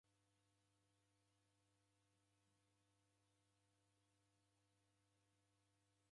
Kulemwa ni kusikirana aja mbuw'enyi koreda kibunguru.